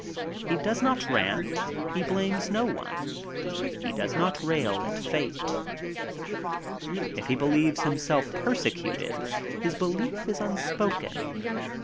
He does not rant. He blames no one. He does not rail at fate. If he believes himself persecuted, his belief is unspoken.